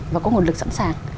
và có nguồn lực sẵn sàng